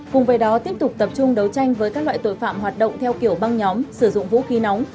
cùng với đó tiếp tục tập trung đấu tranh với các loại tội phạm hoạt động theo kiểu băng nhóm sử dụng vũ khí nóng